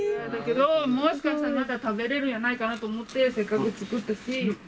もしかしたらまだ食べれるんやないかなと思ってせっかく作ったし。